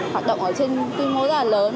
hoạt động ở trên quy mô rất là lớn